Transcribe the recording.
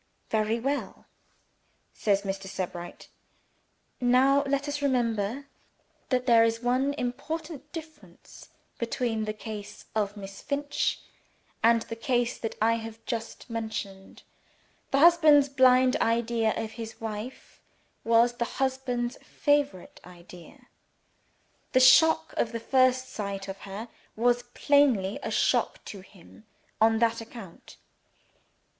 'Very well,' says Mr. Sebright. 'Now let its remember that there is one important difference between the case of Miss Finch, and the case that I have just mentioned. The husband's blind idea of his wife was the husband's favorite idea. The shock of the first sight of her, was plainly a shock to him on that account.